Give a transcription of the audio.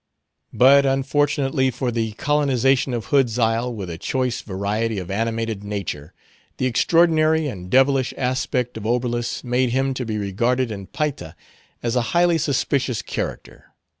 But unfortunately for the colonization of Hood's Isle with a choice variety of animated nature, the extraordinary and devilish aspect of Oberlus made him to be regarded in Payta as a highly suspicious character.